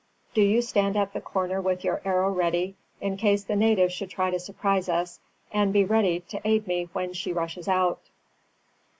Do you stand at the corner with your arrow ready, in case the natives should try to surprise us, and be ready to aid me when she rushes out."